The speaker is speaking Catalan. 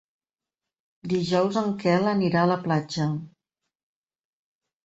Dijous en Quel anirà a la platja.